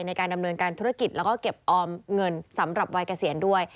ในการดำเนินการธุรกิจแล้วก็เก็บออมเงินสำหรับวัยเกษียณด้วย